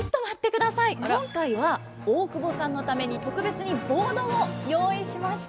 今回は大久保さんのために特別にボードを用意しました。